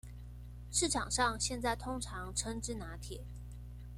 市場上現在通常稱之拿鐵